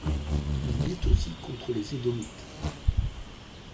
Il lutte aussi contre les Édomites.